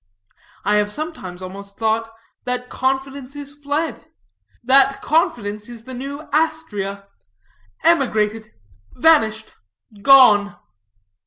I have sometimes almost thought that confidence is fled; that confidence is the New Astrea emigrated vanished gone."